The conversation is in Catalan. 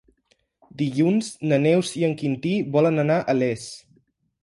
Dilluns na Neus i en Quintí volen anar a Les.